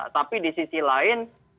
tapi di sisi lain